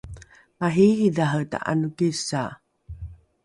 mariiridhare ta’anokisa